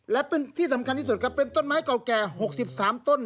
และเป็นที่สำคัญที่สุดครับเป็นต้นไม้เก่าแก่๖๓ต้น